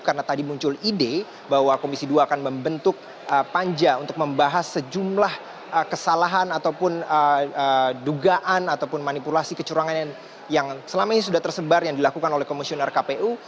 karena tadi muncul ide bahwa komisi dua akan membentuk panja untuk membahas sejumlah kesalahan ataupun dugaan ataupun manipulasi kecurangan yang selama ini sudah tersebar yang dilakukan oleh komisioner kpu